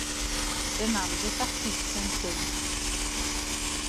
Den andre satt tyst en stund.